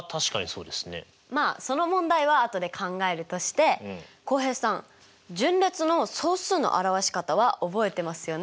まあその問題は後で考えるとして浩平さん順列の総数の表し方は覚えてますよね？